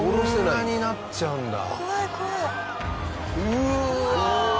うわ！